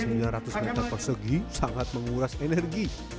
terus mereka persegi sangat menguras energi